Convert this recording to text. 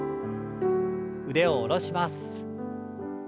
腕を下ろします。